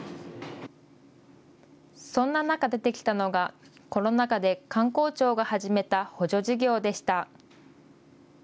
そんな中、出てきたのがコロナ禍で観光庁が始めた補助事業でした。